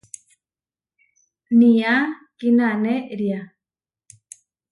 Nía kínanéria.